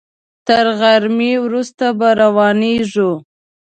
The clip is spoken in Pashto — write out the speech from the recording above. تر غرمې وروسته به روانېږو.